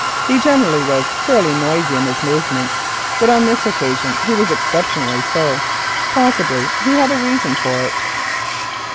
He generally was fairly noisy in his movements, but on this occasion he was exceptionally so. Possibly he had a reason for it.